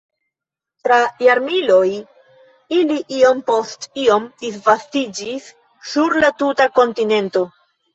Tra jarmiloj ili iom post iom disvastiĝis sur la tuta kontinento.